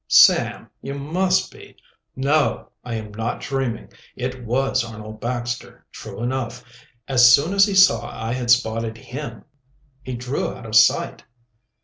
"Sam, you must be " "No, I am not dreaming. It was Arnold Baxter, true enough. As soon as he saw I had spotted him he drew out of sight."